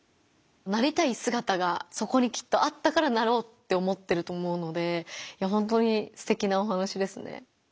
なりたいすがたがそこにきっとあったからなろうって思ってると思うのでほんとにすてきなお話ですね。